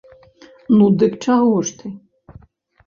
Ну, дык чаго ж ты?